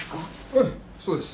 ええそうです。